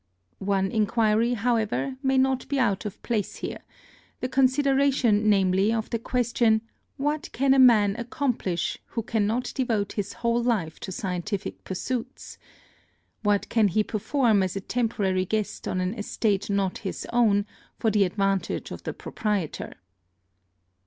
One inquiry, however, may not be out of place here; the consideration, namely, of the question, what can a man accomplish who cannot devote his whole life to scientific pursuits? what can he perform as a temporary guest on an estate not his own, for the advantage of the proprietor?